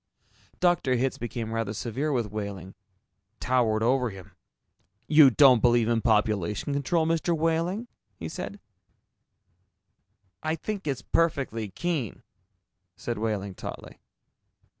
Dr. Hitz became rather severe with Wehling, towered over him. "You don't believe in population control, Mr. Wehling?" he said. "I think it's perfectly keen," said Wehling tautly.